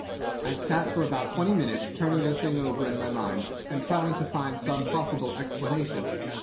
"I had sat for about twenty minutes turning the thing over in my mind and trying to find some possible explanation.